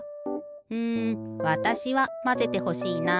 うんわたしはまぜてほしいな。